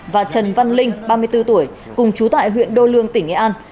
và trần văn linh ba mươi bốn tuổi cùng chú tại huyện đô lương tỉnh nghệ an